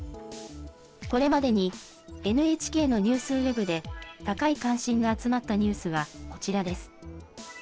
これまでにＮＨＫのニュースウェブで高い関心が集まったニュースはこちらです。